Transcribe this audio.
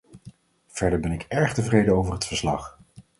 Verder ben ik erg tevreden over het verslag.